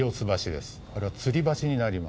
あれは吊り橋になります。